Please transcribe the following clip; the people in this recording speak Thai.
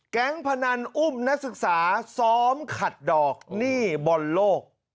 พนันอุ้มนักศึกษาซ้อมขัดดอกหนี้บอลโลก